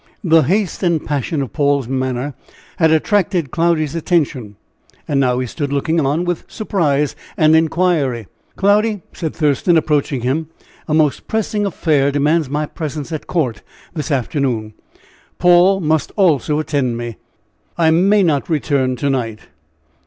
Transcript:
The haste and passion of Paul's manner had attracted Cloudy's attention, and now he stood looking on with surprise and inquiry. "Cloudy," said Thurston, approaching him, "a most pressing affair demands my presence at C this afternoon. Paul must also attend me. I may not return to night.